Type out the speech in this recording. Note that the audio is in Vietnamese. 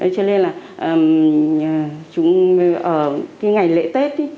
cho nên là chúng ở cái ngày lễ tết